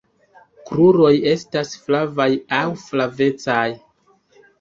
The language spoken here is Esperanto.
Kruroj estas flavaj aŭ flavecaj.